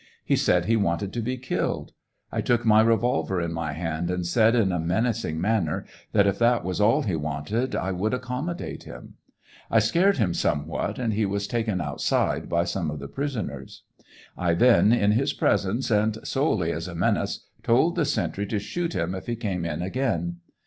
He said he wanted to be killed. I took my revolver in my hand and said, in a menacing manner, that if that was all he wanted I would accommodate him. I scared him somewhat, and he was taken outside by some of the prisoners. I then, in his presence, and solely as a menace, told the sentry to shoot him if he came in again.